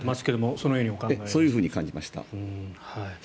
そういうふうに感じました。